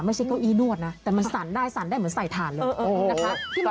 ไม่ใช่เก้าอี้นวดนะแต่มันสั่นได้สั่นได้เหมือนใส่ถ่านเลยนะคะ